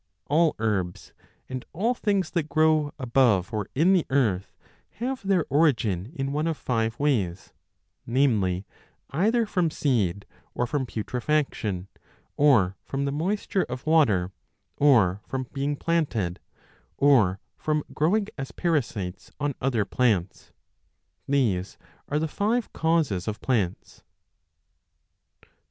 ] l All herbs and all things that grow above or in the earth have their origin in one of five ways, namely, either from seed, or from putrefaction, or from the moisture of water, or from being planted, or from growing as parasites on other plants. These are the five causes of plants.